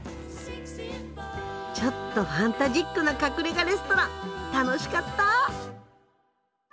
ちょっとファンタジックな隠れ家レストラン楽しかった！